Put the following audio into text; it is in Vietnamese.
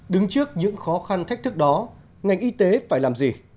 đứng trước những khó khăn thách thức đó ngành y tế phải làm gì